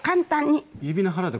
指の腹で。